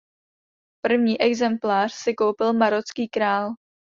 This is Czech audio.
První exemplář si koupil marocký král.